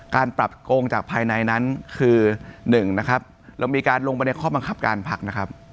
การปรับโกงจากภายในนั้นคือ๑นะครับเรามีการลงไปในข้อบังคับการพักนะครับ